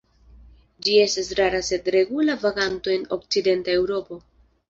Ĝi estas rara sed regula vaganto en okcidenta Eŭropo.